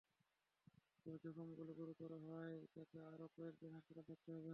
তবে জখমগুলো গুরুতর হওয়ায় তাঁকে আরও কয়েক দিন হাসপাতালে থাকতে হবে।